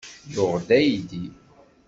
Yuɣ-d aydi.